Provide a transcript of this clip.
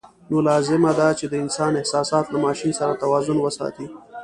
نو لازم ده چې د انسان احساسات له ماشین سره توازن وساتي.